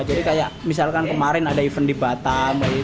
jadi kayak misalkan kemarin ada event di batam